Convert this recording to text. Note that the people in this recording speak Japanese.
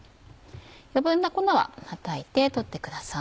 余分な粉ははたいて取ってください。